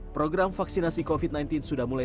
program vaksinasi covid sembilan belas sudah mulai